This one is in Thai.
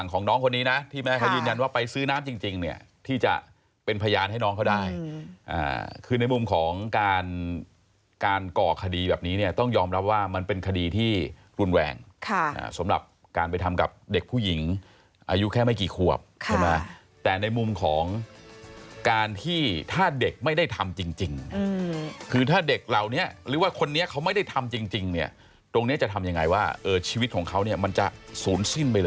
ของการก่อกคดีแบบนี้เนี้ยต้องยอมรับว่ามันเป็นคดีที่รุนแหวงค่ะสำหรับการไปทำกับเด็กผู้หญิงอายุแค่ไม่กี่ขวบใช่ไหมค่ะแต่ในมุมของการที่ถ้าเด็กไม่ได้ทำจริงจริงอืมคือถ้าเด็กเหล่านี้หรือว่าคนนี้เขาไม่ได้ทำจริงจริงเนี้ยตรงเนี้ยจะทำยังไงว่าเออชีวิตของเขาเนี้ยมันจะสู